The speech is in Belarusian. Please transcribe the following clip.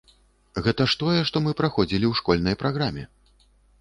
Гэта ж тое, што мы праходзілі ў школьнай праграме.